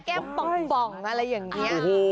แก้มปองอะไรอย่างนี้